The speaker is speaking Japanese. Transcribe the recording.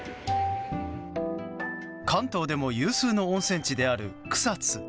関東でも有数の温泉地である草津。